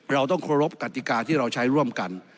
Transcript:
เราต้องเคารพกติกาที่เราใช้ร่วมกัน